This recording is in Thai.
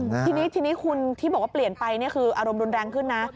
ทีนี้ทีนี้คุณที่บอกว่าเปลี่ยนไปนี่คืออารมณ์รุนแรงขึ้นนะ